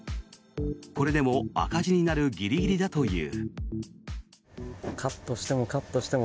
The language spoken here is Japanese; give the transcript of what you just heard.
これでも赤字になるギリギリだという。